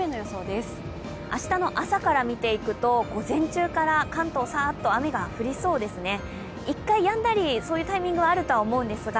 明日の朝から見ていくと午前中から関東、さーっと雨が降りそうですね。